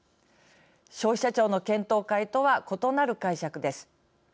消費者庁の検討会とは異なる解釈です。